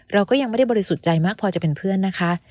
เราก็ยังไม่ได้บริสุทธิ์ใจมากพอจะเป็นเพื่อนนะคะ